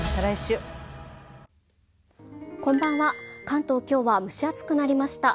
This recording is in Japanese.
関東、今日は蒸し暑くなりました。